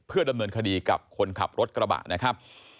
ดำเนินคดีกับคนขับรถกระบะนะครับ